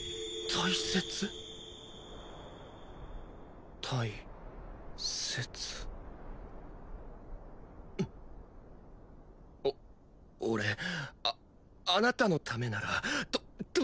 大切お俺ああなたのためならど